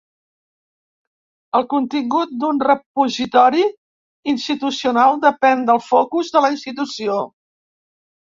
El contingut d'un repositori institucional depèn del focus de la institució.